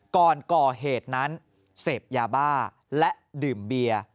ก่อนก่อเหตุนั้นเสพยาบ้าและดื่มเบียร์